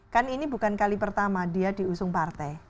kan ini bukan kali pertama dia diusung partai